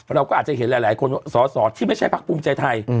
เราก็อาจจะเห็นหลายคนสอสอที่ไม่ใช่ภักดิ์ภักดิ์ภูมิใจไทย